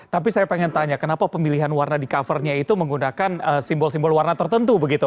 tapi saya pengen tanya kenapa pemilihan warna di covernya itu menggunakan simbol simbol warna tertentu begitu